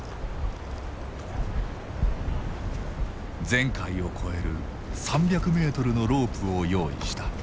前回を超える３００メートルのロープを用意した。